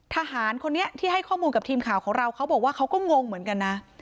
ทหารคนนี้ที่ให้ข้อมูลกับทีมข่าวของเราเขาบอกว่าเขาก็งงเหมือนกันนะ